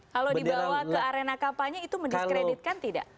kalau dibawa ke arena kampanye itu mendiskreditkan tidak